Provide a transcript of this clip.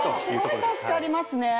すごい助かりますね！